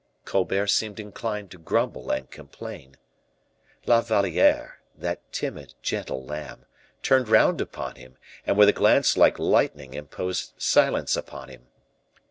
Colbert seemed inclined to grumble and complain. La Valliere, that timid, gentle lamb, turned round upon him, and with a glance like lightning imposed silence upon him.